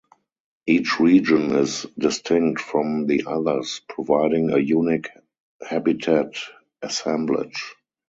Each region is distinct from the others, providing a unique habitat assemblage.